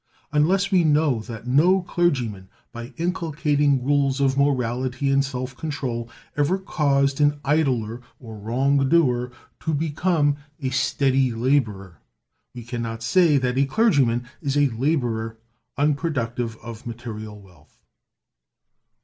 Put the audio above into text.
Unless we know that no clergyman, by inculcating rules of morality and self control, ever caused an idler or wrong doer to become a steady laborer, we can not say that a clergyman is a laborer unproductive of material wealth.